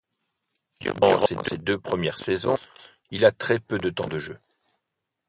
Durant ses deux premières saisons, il a très peu de temps de jeu.